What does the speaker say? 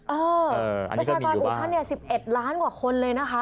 เอออันนี้ก็มีอยู่บ้างประชาการอูฮั่น๑๑ล้านกว่าคนเลยนะครับ